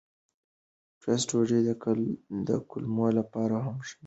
ټوسټ ډوډۍ د کولمو لپاره هم ښه ده.